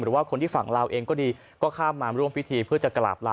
หรือว่าคนที่ฝั่งลาวเองก็ดีก็ข้ามมาร่วมพิธีเพื่อจะกราบลา